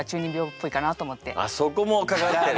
そこもかかってる。